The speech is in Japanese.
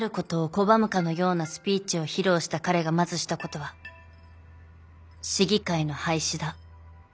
拒むかのようなスピーチを披露した彼がまずしたことは市議会の廃止だ。